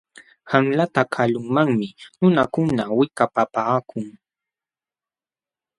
Qanlata kalumanmi nunakuna wikapapaakun.